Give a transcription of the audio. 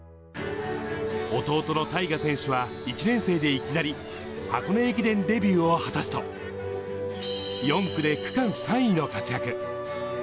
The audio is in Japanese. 弟の大翔選手は１年生でいきなり箱根駅伝デビューを果たすと、４区で区間３位の活躍。